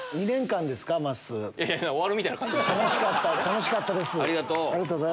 楽しかったです。